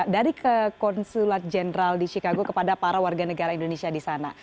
dari konsulat jenderal di chicago kepada para warga negara indonesia di sana